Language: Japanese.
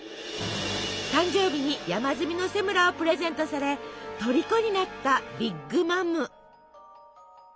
誕生日に山積みのセムラをプレゼントされとりこになったビッグ・マム。